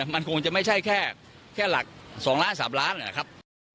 มันคงจะไม่ใช่แค่แค่หลักสองล้านสามล้านนะครับ